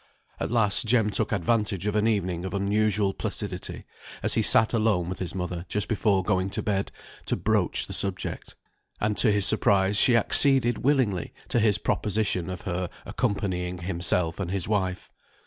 At last Jem took advantage of an evening of unusual placidity, as he sat alone with his mother just before going to bed, to broach the subject; and to his surprise she acceded willingly to his proposition of her accompanying himself and his wife.